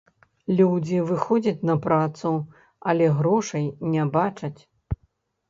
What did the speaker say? Людзі выходзяць на працу, але грошай не бачаць.